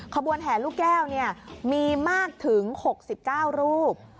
ขบวนแห่ลูกแก้วมีมากถึง๖๙รูป